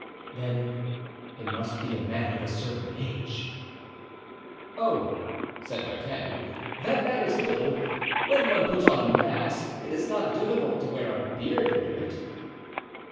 "Then it must be a man of a certain age." "Oh!" said D'Artagnan, "that matters little. When one puts on a mask, it is not difficult to wear a beard under it."